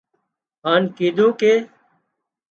هانَ ڪيڌون ڪي